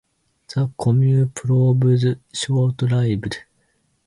The commune proved short-lived.